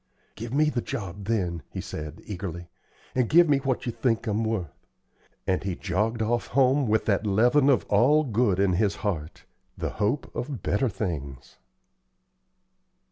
"Give me the job then," he said, eagerly, "and give me what you think I'm wuth;" and he jogged off home with that leaven of all good in his heart the hope of better things.